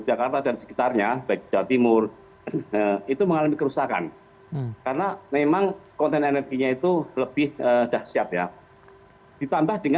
nah karakteristik gempa ini memiliki keistimewaan yaitu mampu meradiasikan ground motion yang sama lebih tinggi dibanding dengan gempa yang dipicu